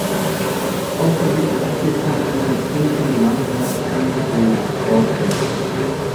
Außerdem hat sie von ihrem früheren Mann noch einen Sohn, Roger.